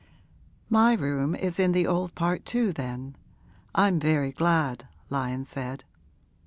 'My room is in the old part too then I'm very glad,' Lyon said.